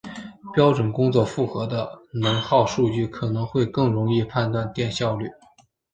标准工作负荷的能耗数据可能会更容易判断电效率。